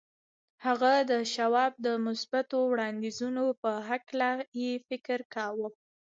هغه د شواب د مثبتو وړانديزونو په هکله يې فکر کاوه.